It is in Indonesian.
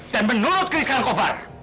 dan menurut keris kalang kobar